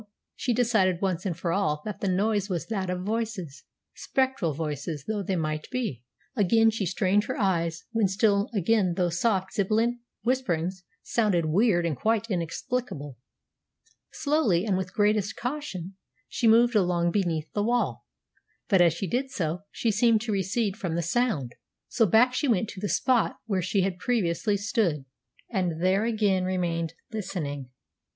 She decided once and for all that the noise was that of voices, spectral voices though they might be. Again she strained her eyes, when still again those soft, sibilant whisperings sounded weird and quite inexplicable. Slowly, and with greatest caution, she moved along beneath the wall, but as she did so she seemed to recede from the sound. So back she went to the spot where she had previously stood, and there again remained listening.